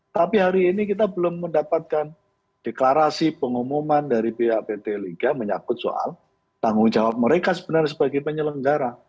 tapi hari ini kita belum mendapatkan deklarasi pengumuman dari pihak pt liga menyakut soal tanggung jawab mereka sebenarnya sebagai penyelenggara